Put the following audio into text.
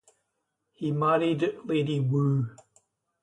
He married Lady Wu.